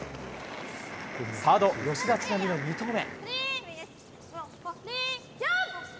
サード、吉田知那美の２投目。